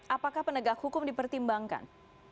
apakah penegak hukum dipertimbangkan